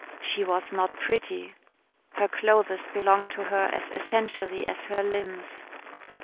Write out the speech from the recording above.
She was not pretty. Her clothes belonged to her as essentially as her limbs.